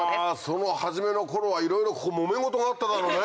その始めの頃はいろいろもめ事があっただろうね。